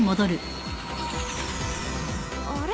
あれ？